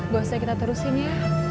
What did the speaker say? gosnya kita terusin ya